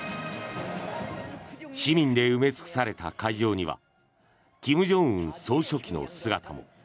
市民で埋め尽くされた会場には金正恩総書記の姿も。